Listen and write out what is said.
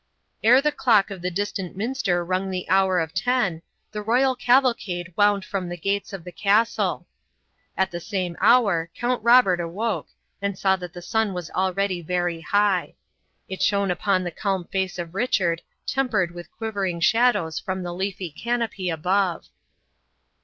Ere the clock of the distant minster rung the hour of ten, the royal cavalcade wound from the gates of the castle. At the same hour Count Robert awoke, and saw that the sun was already very high. It shone upon the calm face of Richard, tempered with quivering shadows from the leafy canopy above.